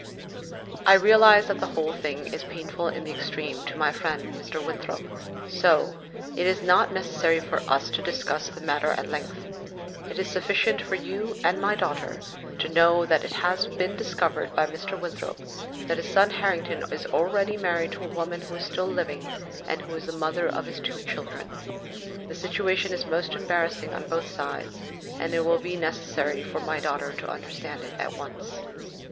"I realize that the whole thing is painful in the extreme to my friend, Mr. Winthrop, so it is not necessary for us to discuss the matter at length. It is sufficient for you and my daughter to know that it has been discovered by Mr. Winthrop that his son Harrington is already married to a woman who is still living, and who is the mother of his two children. The situation is most embarrassing on both sides, and it will be necessary for my daughter to understand it at once."